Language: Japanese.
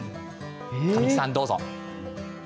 神木さん、どうぞ。